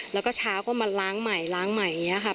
แล้วก็เช้าก็มาล้างใหม่ล้างใหม่อย่างนี้ค่ะ